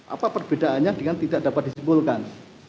apa perbedaannya dengan tidak dapat disimpulkan